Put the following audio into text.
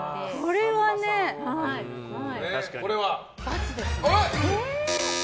これは×ですね。